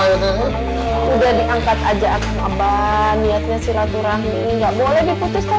nggak boleh diputus kali si raturahmi